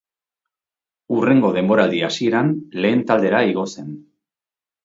Hurrengo denboraldi hasieran lehen taldera igo zen.